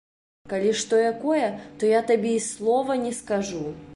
Калі што якое, то я табе і слова не скажу.